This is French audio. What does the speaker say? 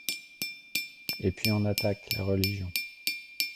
Et puis on attaque la religion.